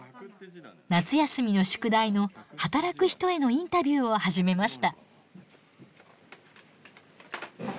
夏休みの宿題の「働く人へのインタビュー」を始めました。